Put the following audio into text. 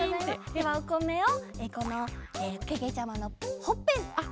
ではおこめをこのけけちゃまのほっぺのところですね。